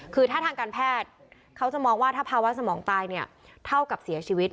คือถ้าทางการแพทย์เขาจะมองว่าถ้าภาวะสมองตายเนี่ยเท่ากับเสียชีวิต